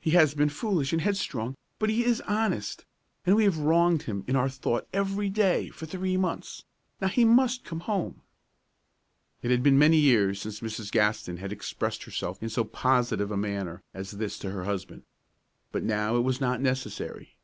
He has been foolish and headstrong, but he is honest, and we have wronged him in our thought every day for three months. Now he must come home!" It had been many years since Mrs. Gaston had expressed herself in so positive a manner as this to her husband. But now it was not necessary.